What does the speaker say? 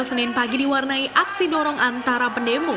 senin pagi diwarnai aksi dorong antara pendemo